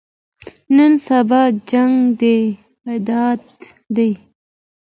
نن سبا جنګ د ډاټا دی.